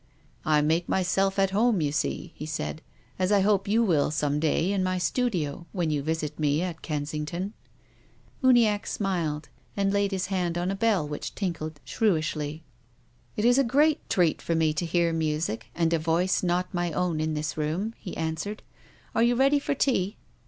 " I make myself at home, you see," he said, " as I hope you will some day in my studio, when you visit me at Kensington." Uniacke smiled, and laid his hand on a bell which tinkled shrewishly. " It is a great treat for me to hear music and a voice not my own in this room," he answered. " Are you ready for tea